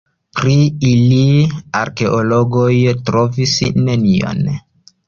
Pri ili arkeologoj trovis nenion.